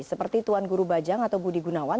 seperti tuan guru bajang atau budi gunawan